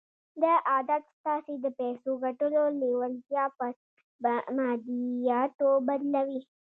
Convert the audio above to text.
دا عادت ستاسې د پيسو ګټلو لېوالتیا پر ماديياتو بدلوي.